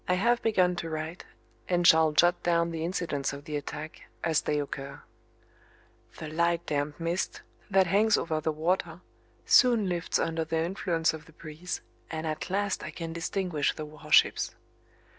I have begun to write, and shall dot down the incidents of the attack as they occur. The light damp mist that hangs over the water soon lifts under the influence of the breeze, and at last I can distinguish the warships.